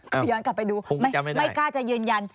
ก็ย้อนกลับไปดูไม่กล้าจะยืนยัน